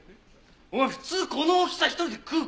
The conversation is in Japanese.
お前普通この大きさ一人で食うか！？